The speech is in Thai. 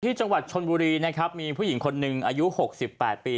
ที่จังหวัดชลบุรีนะครับมีผู้หญิงคนนึงอายุหกสิบแปดปี